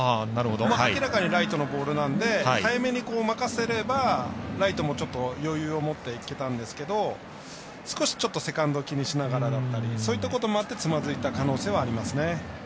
明らかにライトのボールなので早めに任せればライトもちょっと余裕を持っていけたんですけどちょっとセカンドを気にしながらだったりそういったこともあってつまずいた可能性ありますね。